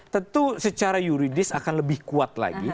tentu secara yuridis akan lebih kuat lagi